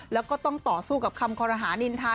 แล้วก็ต้องต่อสู้กับคำคอรหานินทา